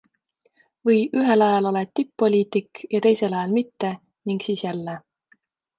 Või ühel ajal oled tipp-poliitik ja teisel ajal mitte, ning siis jälle.